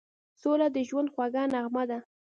سوله د ژوند خوږه نغمه ده.